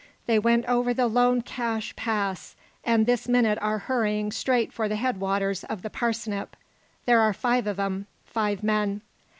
They went over the Lone Cache Pass, and this minute are hurrying straight for the headwaters of the Parsnip. There are five of 'em five men."